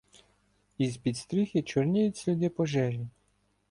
Із-під стріхи чорніють сліди пожежі.